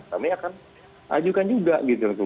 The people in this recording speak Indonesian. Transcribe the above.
kami akan ajukan juga gitu